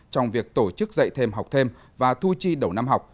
trong việc tổ chức dạy thêm học thêm và thu chi đầu năm học